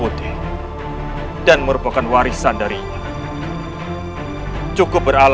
untuk menghancurkan kuncung hitam